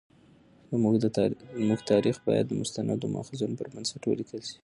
زموږ تاریخ باید د مستندو مأخذونو پر بنسټ ولیکل شي.